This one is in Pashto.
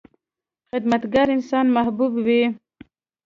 • خدمتګار انسان محبوب وي.